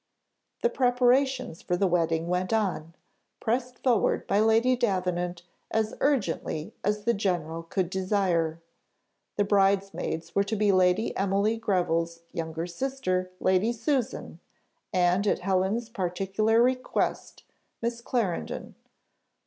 The preparations for the wedding went on, pressed forward by Lady Davenant as urgently as the general could desire. The bridesmaids were to be Lady Emily Greville's younger sister, Lady Susan, and, at Helen's particular request, Miss Clarendon.